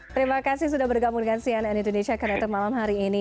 terima kasih sudah bergabung dengan cnn indonesia connected malam hari ini